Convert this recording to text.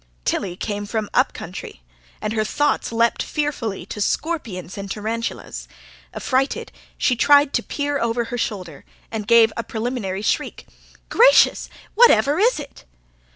Tilly came from up country and her thoughts leapt fearfully to scorpions and tarantulas. Affrighted, she tried to peer over her shoulder, and gave a preliminary shriek. "Gracious! whatever is it?"